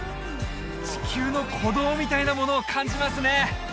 地球の鼓動みたいなものを感じますね